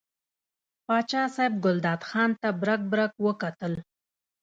پاچا صاحب ګلداد خان ته برګ برګ وکتل.